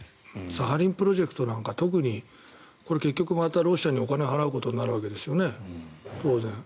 サハリンプロジェクトなんか特にこれ結局またロシアにお金を払うことになるわけですよね。